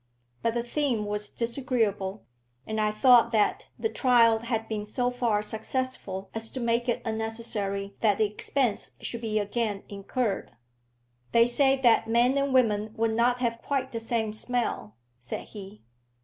But the theme was disagreeable, and I thought that the trial had been so far successful as to make it unnecessary that the expense should be again incurred. "They say that men and women would not have quite the same smell," said he.